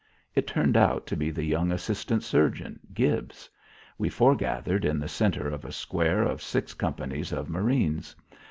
It turned out to be the young assistant surgeon, Gibbs. We foregathered in the centre of a square of six companies of marines.